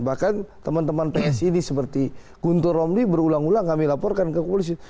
bahkan teman teman psi ini seperti guntur romli berulang ulang kami laporkan ke polisi